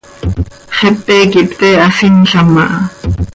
Xepe quih pte hasinlam aha.